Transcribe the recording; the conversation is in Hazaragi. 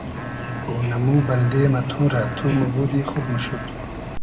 اۉنئمو بئلدې مۂ تورۂ تو موبودی خوب موشود